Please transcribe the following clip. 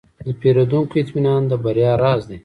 د پیرودونکو اطمینان د بریا راز دی.